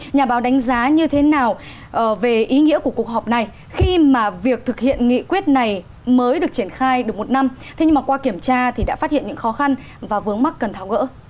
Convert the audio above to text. nhà báo đánh giá như thế nào về ý nghĩa của cuộc họp này khi mà việc thực hiện nghị quyết này mới được triển khai được một năm thế nhưng mà qua kiểm tra thì đã phát hiện những khó khăn và vướng mắt cần tháo gỡ